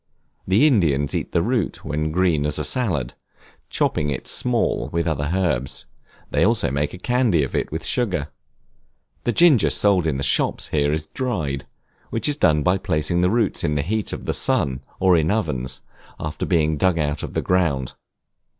The Indians eat the root when green as a salad, chopping it small with other herbs; they also make a candy of it with sugar. The ginger sold in the shops here is dried, which is done by placing the roots in the heat of the sun or in ovens, after being dug out of the ground.